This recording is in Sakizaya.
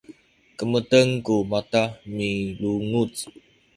kemeten ku mata milunguc